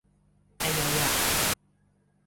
อะไยหย่ะ